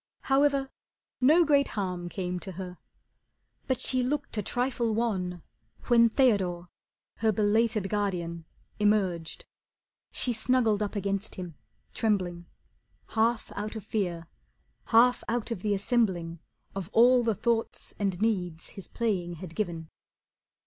However, no great harm Came to her. But she looked a trifle wan When Theodore, her belated guardian, Emerged. She snuggled up against him, trembling, Half out of fear, half out of the assembling Of all the thoughts and needs his playing had given.